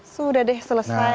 sudah deh selesai